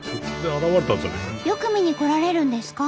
よく見に来られるんですか？